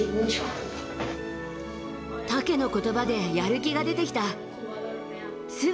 タケのことばでやる気が出てきた。